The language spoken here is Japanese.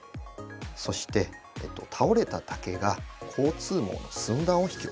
そして倒れた竹が交通網の寸断を引き起こす。